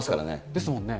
ですもんね。